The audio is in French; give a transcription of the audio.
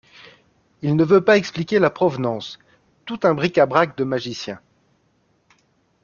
il ne veut pas expliquer la provenance, tout un bric-à-brac de magicien